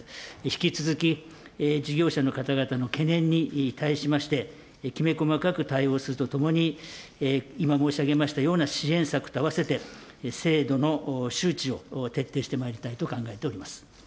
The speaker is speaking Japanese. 引き続き、事業者の方々の懸念に対しまして、きめ細かい対応するとともに、今申し上げましたような支援策と合わせて、制度の周知を徹底してまいりたいと考えております。